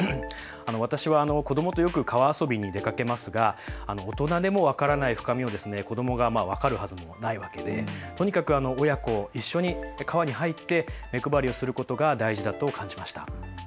私は子どもとよく川遊びに出かけますが、大人でも分からない深みを子どもが分かるはずもないわけでとにかく親子一緒に川に入って目配りをすることが大事だと感じました。